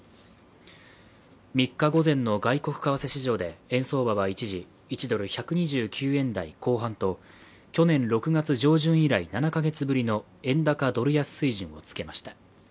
３日午前の外国為替市場で円相場は一時１ドル＝１２９円台後半と去年６月上旬以来、７か月ぶりの円高ドル安水準をつけました。